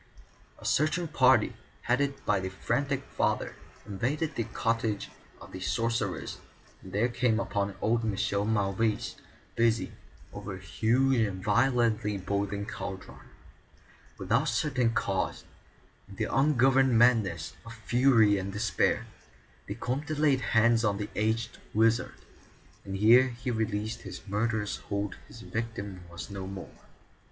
A searching party, headed by the frantic father, invaded the cottage of the sorcerers and there came upon old Michel Mauvais, busy over a huge and violently boiling cauldron. Without certain cause, in the ungoverned madness of fury and despair, the Comte laid hands on the aged wizard, and ere he released his murderous hold his victim was no more.